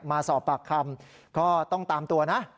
มาสอบปากคำก็ต้องตามตัวนะ